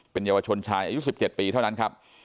เยาวชนชายอายุ๑๗ปีเท่านั้นครับ